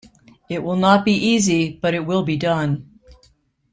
It will not be easy, but it will be done.